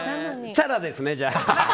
チャラですね、じゃあ。